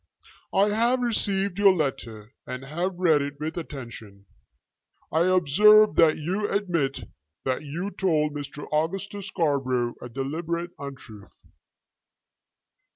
"I have received your letter and have read it with attention. I observe that you admit that you told Mr. Augustus Scarborough a deliberate untruth.